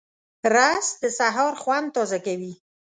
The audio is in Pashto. رس د سهار خوند تازه کوي